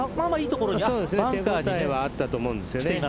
バンカーではあったと思うんですけどね。